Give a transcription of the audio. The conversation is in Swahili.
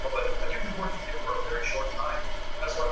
Alirudi Uingereza mara moja akiandamana na Hearne